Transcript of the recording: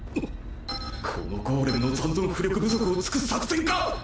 このゴーレムの残存巫力不足をつく作戦か！？